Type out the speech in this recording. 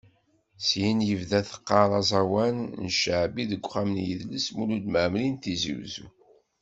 Syin tebda teqqar aẓawan n cceɛbi deg Uxxam n yidles Mulud Mɛemmeri n Tizi Uzzu.